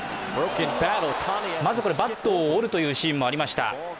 まずバットを折るというシーンもありました。